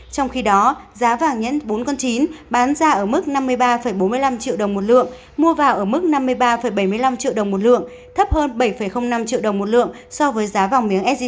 trong khi đó giá vàng nhẫn bốn con chín bán ra ở mức năm mươi ba bốn mươi năm triệu đồng một lượng mua vào ở mức năm mươi ba bảy mươi năm triệu đồng một lượng thấp hơn bảy năm triệu đồng một lượng so với giá vàng miếng sgc